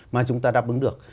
mà chúng ta đáp ứng được